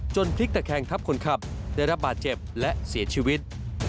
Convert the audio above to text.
พลิกตะแคงทับคนขับได้รับบาดเจ็บและเสียชีวิต